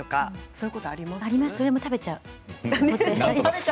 それも食べちゃう。